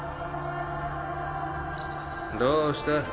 どうした？